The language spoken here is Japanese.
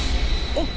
おっ！